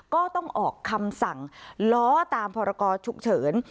ก็ต้องออกคำสั่งล้อตามพรกรฉุกเฉิน